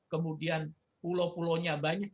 kemudian pulau pulau banyak